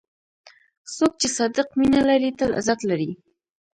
څوک چې صادق مینه لري، تل عزت لري.